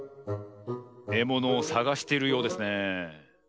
えものをさがしているようですね。